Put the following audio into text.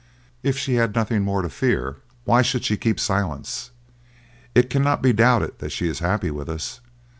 If she had nothing more to fear, why should she keep silence? It cannot be doubted that she is happy with us.